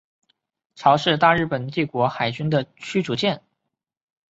潮是大日本帝国海军的驱逐舰。